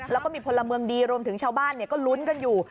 แล้วก็มีพลเมืองดีรวมถึงชาวบ้านก็ลุ้นกันอยู่